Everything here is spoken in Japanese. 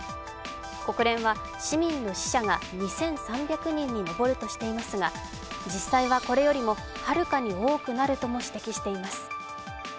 国連は市民の死者が２３００人に上るとしていますが、実際はこれよりもはるかに多くなるとも指摘しています。